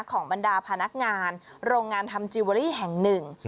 บรรดาพนักงานโรงงานทำจิเวอรี่แห่งหนึ่ง